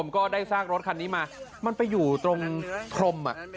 ก็ได้ซากรถคันนี้มามันไปอยู่ตรงพรม